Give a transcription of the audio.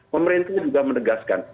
pemerintah juga menegaskan